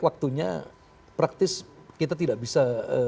waktunya praktis kita tidak bisa